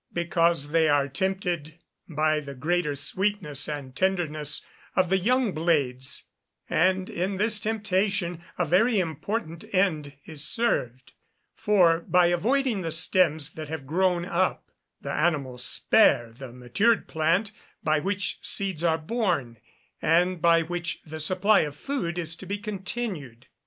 _ Because they are tempted by the greater sweetness and tenderness of the young blades; and in this temptation a very important end is served; for, by avoiding the stems that have grown up, the animals spare the matured plant by which seeds are borne, and by which the supply of food is to be continued.